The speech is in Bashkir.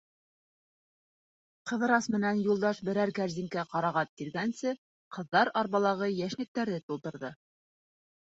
Ҡыҙырас менән Юлдаш берәр кәрзинкә ҡарағат тиргәнсе, ҡыҙҙар арбалағы йәшниктәрҙе тултырҙы.